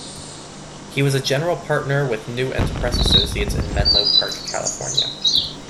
He was a general partner with New Enterprise Associates in Menlo Park, California.